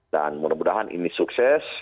dan mudah mudahan ini sukses